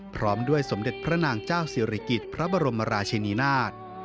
พร้อมด้วยสมเด็จพระนางเจ้าศิริกิจพระบรมราชินีนาฏ